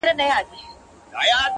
هر څوک خپله کيسه لري تل,